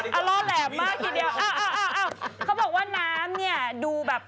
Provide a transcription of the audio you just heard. โอ้โหอ้าวอ้าวอ้าวอ้าวเขาบอกว่าน้ำเนี่ยดูแบบ